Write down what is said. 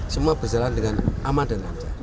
semua berjalan dengan aman dan lancar